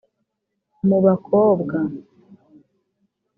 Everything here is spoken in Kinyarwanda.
Mu bakobwa